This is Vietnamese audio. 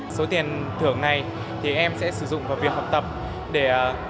số tiền thưởng này thì em sẽ sử dụng vào việc học tập để